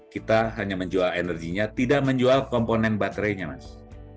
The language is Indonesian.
kita hanya menjual energinya tidak menjual komponen baterainya mas